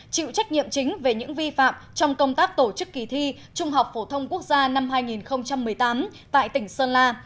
chịu trách nhiệm chính về những vi phạm trong công tác tổ chức kỳ thi trung học phổ thông quốc gia năm hai nghìn một mươi tám tại tỉnh sơn la